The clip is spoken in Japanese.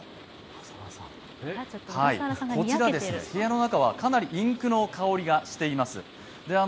こちら、部屋の中はかなりインクの香りがしています。